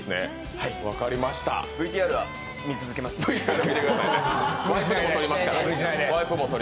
ＶＴＲは見続けますから。